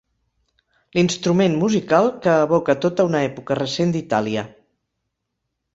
L'instrument musical que evoca tota una època recent d'Itàlia.